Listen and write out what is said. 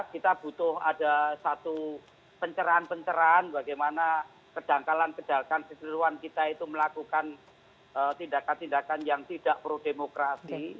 kita butuh ada satu pencerahan pencerahan bagaimana kedangkalan kedangkalan keseluruhan kita itu melakukan tindakan tindakan yang tidak pro demokrasi